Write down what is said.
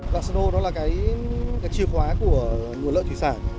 dạng sân hồ đó là cái chìa khóa của nguồn lợi thủy sản